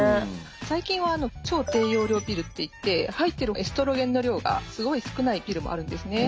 最近は超低用量ピルっていって入ってるエストロゲンの量がすごい少ないピルもあるんですね。